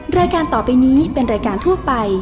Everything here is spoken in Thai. รายการต่อไปนี้เป็นรายการทั่วไป